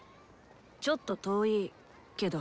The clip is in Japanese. ちょっと遠いけど。